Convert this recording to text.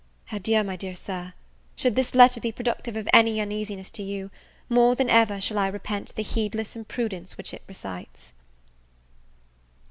Adieu, my dearest Sir. Should this letter be productive of any uneasiness to you, more than ever shall I repent the heedless imprudence which it recites.